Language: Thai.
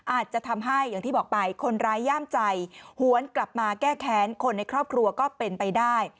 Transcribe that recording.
อาจจะทำให้อย่างที่บอกไปคนร้ายย่ามใจหวนกลับมาแก้แค้นคนในครอบครัวก็เป็นไปได้